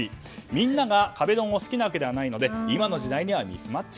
みんなが壁ドンを好きなわけではないので今の時代にはミスマッチ。